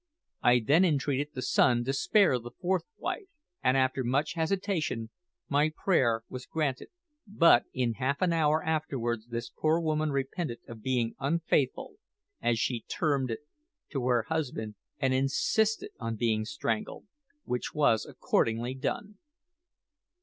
I then entreated the son to spare the fourth wife, and after much hesitation, my prayer was granted; but in half an hour afterwards this poor woman repented of being unfaithful, as she termed it, to her husband, and insisted on being strangled, which was accordingly done.